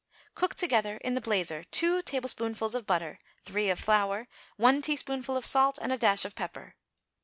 Cook together in the blazer two tablespoonfuls of butter, three of flour, one teaspoonful of salt and a dash of pepper.